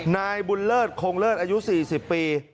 นายบุญเลิศคงเลิศอายุ๔๐ปี